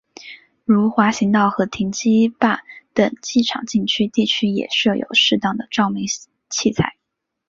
如滑行道和停机坪等机场禁区地区也设有适当的照明器材。